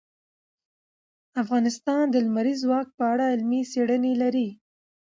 افغانستان د لمریز ځواک په اړه علمي څېړنې لري.